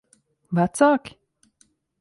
Vecāki?